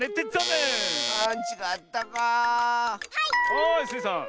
はいスイさん。